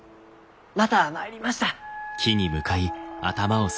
また参りました。